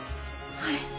はい。